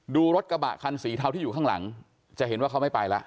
ดูรถกระบะคันสีเทาที่อยู่ข้างหลังจะเห็นว่าเขาไม่ไปแล้ว